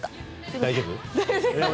大丈夫？